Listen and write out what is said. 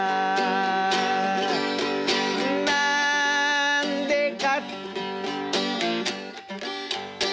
「なんでか」